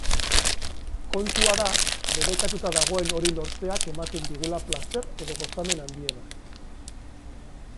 Kontua da, debekatuta dagoen hori lortzeak ematen digula plazer edo gozamen handiena.